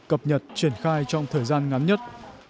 cập nhật triển khai trong thời gian ngắn nhất